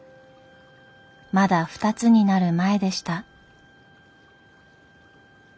まだ２つになる前でした。